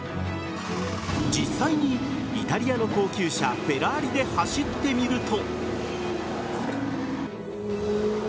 実際にイタリアの高級車フェラーリで走ってみると。